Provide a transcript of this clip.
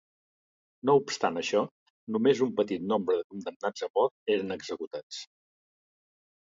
No obstant això, només un petit nombre de condemnats a mort eren executats.